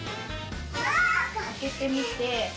開けてみて。